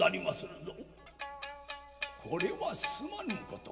「これはすまぬことを」。